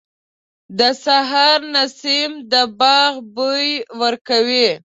• د سهار نسیم د باغ بوی ورکوي.